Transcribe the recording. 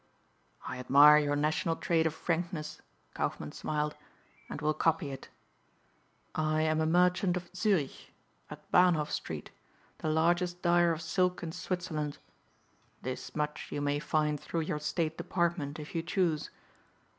"I admire your national trait of frankness," Kaufmann smiled, "and will copy it. I am a merchant of Zurich, at Bahnhof street, the largest dyer of silk in Switzerland. This much you may find through your State Department if you choose."